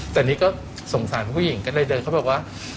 แต่นี่ก็สงสารผู้หญิงก็เลยเดินเขาบอกว่า